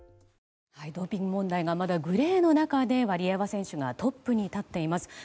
ドーピング問題がまだグレーの中でワリエワ選手がトップに立っています。